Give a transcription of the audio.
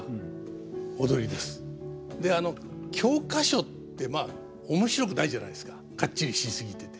で教科書ってまあ面白くないじゃないですかかっちりし過ぎてて。